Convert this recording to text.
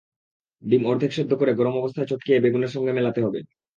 ডিম অর্ধেক সেদ্ধ করে গরম অবস্থায় চটকিয়ে বেগুনের সঙ্গে মেলাতে হবে।